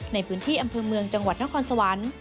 ในพื้นที่อำเภอเมืองจังหวัดนครสวรรค์